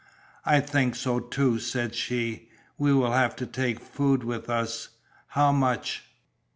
"I think so too," said she, "we will have to take food with us how much?"